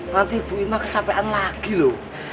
nanti bu ima kecapean lagi loh